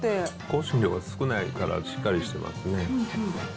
香辛料が少ないからしっかりしてますね。